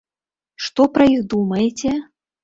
Што пра іх думаеце?